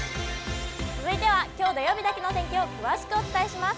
続いては、きょう土曜日だけの天気を詳しくお伝えします。